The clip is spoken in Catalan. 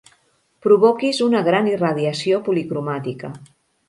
Provoquis una gran irradiació policromàtica.